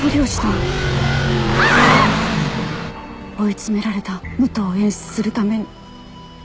ああっ！追い詰められた武藤を演出するために。